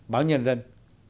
báo nhân dân